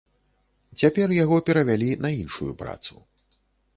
Цяпер яго перавялі на іншую працу.